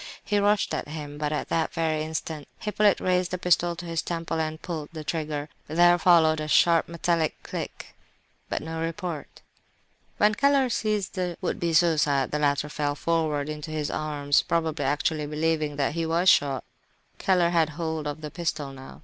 He rushed at him, but at that very instant Hippolyte raised the pistol to his temple and pulled the trigger. There followed a sharp metallic click, but no report. When Keller seized the would be suicide, the latter fell forward into his arms, probably actually believing that he was shot. Keller had hold of the pistol now.